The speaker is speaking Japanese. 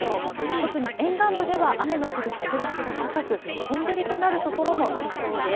特に沿岸部では雨の降る確率が高く本降りとなる所もありそうです。